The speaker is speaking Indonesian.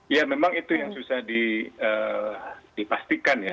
ya memang itu yang susah dipastikan ya